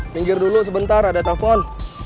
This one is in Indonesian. minggir dulu sebentar ada telepon